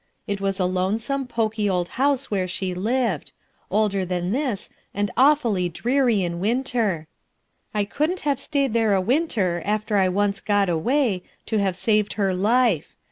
It was a lonesome, poky old house where she lived. Older than this, and awfully dreary in whiter. I couldn't have stayed there a winter, after I once got away, to have saved her life.